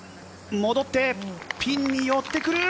戻って、ピンに寄ってくる。